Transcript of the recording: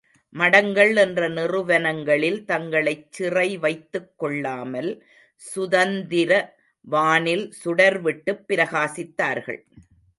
மடங்கள் என்ற நிறுவனங்களில் தங்களைச் சிறைவைத்துக் கொள்ளாமல் சுதந்திர வானில் சுடர்விட்டுப் பிரகாசித்தார்கள்.